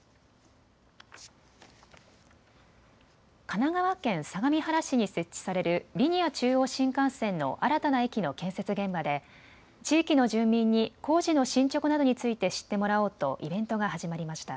神奈川県相模原市に設置されるリニア中央新幹線の新たな駅の建設現場で地域の住民に工事の進捗などについて知ってもらおうとイベントが始まりました。